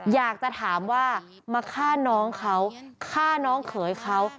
อยากจะถามว่ามาฆ่าน้องเขาฆ่าน้องเขยเขา